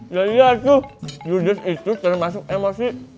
ya iya tuh jujur itu termasuk emosi